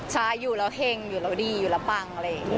ใช่อยู่แล้วเผ็งอยู่แล้วดีอยู่แล้วปังเลย